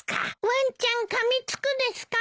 ワンちゃんかみつくですか？